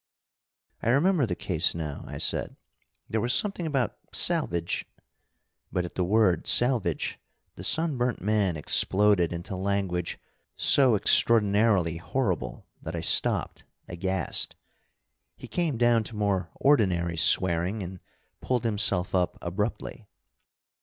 "I remember the case now," I said. "There was something about salvage " But at the word salvage the sunburnt man exploded into language so extraordinarily horrible that I stopped aghast. He came down to more ordinary swearing, and pulled himself up abruptly.